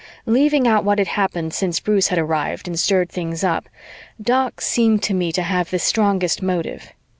Leaving out what had happened since Bruce had arrived and stirred things up, Doc seemed to me to have the strongest motive.